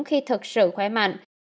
khi thực sự khỏe mạnh